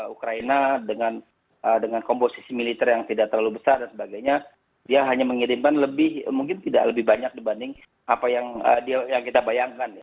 ukraina dengan komposisi militer yang tidak terlalu besar dan sebagainya dia hanya mengirimkan lebih mungkin tidak lebih banyak dibanding apa yang kita bayangkan